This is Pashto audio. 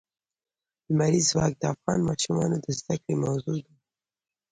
لمریز ځواک د افغان ماشومانو د زده کړې موضوع ده.